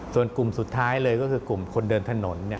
ส่วนกลุ่มสุดท้ายเลยก็คือกลุ่มคนเดินถนน